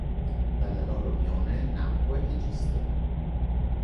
Dalla loro unione nacque Egisto.